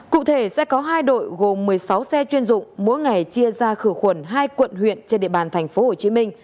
cụ thể sẽ có hai đội gồm một mươi sáu xe chuyên dụng mỗi ngày chia ra khử khuẩn hai quận huyện trên địa bàn tp hcm